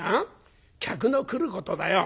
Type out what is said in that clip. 客の来ることだよ」。